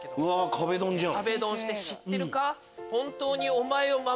壁ドンじゃん。